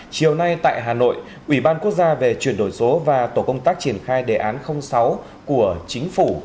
chiều nay tại hà nội ủy ban quốc gia về chuyển đổi số và tổ công tác triển khai đề án sáu của chính phủ